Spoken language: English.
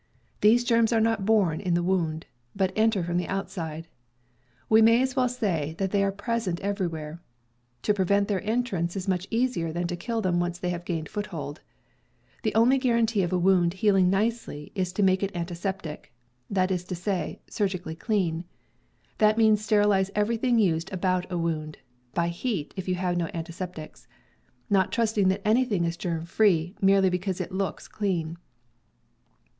J. . These germs are not born in the wound, ^, but enter from the outside. We may as well say that they are present every where. To prevent their entrance is much easier than ACCIDENTS 305 to kill them once they have gained foothold. The only guarantee of a wound healing nicely is to make it antiseptic — that is to say, surgically clean. That means sterilize everything used about a wound (by heat, if you have no antiseptics), not trusting that any thing is germ free merely because it looks clean.